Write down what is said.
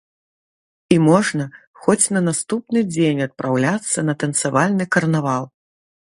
І можна хоць на наступны дзень адпраўляцца на танцавальны карнавал.